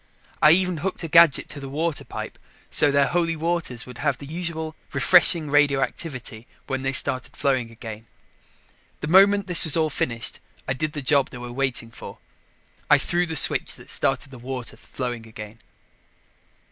I even hooked a gadget to the water pipe so their Holy Waters would have the usual refreshing radioactivity when they started flowing again. The moment this was all finished, I did the job they were waiting for. I threw the switch that started the water flowing again.